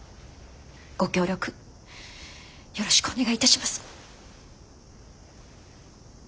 ご協力よろしくお願いいたします。